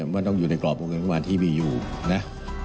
มันต้องอยู่ในกรอบบังคันที่มีอยู่นะ